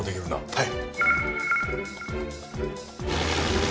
はい。